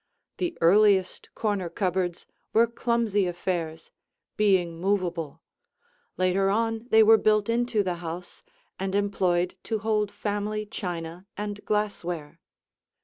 The earliest corner cupboards were clumsy affairs, being movable; later on they were built into the house and employed to hold family china and glassware.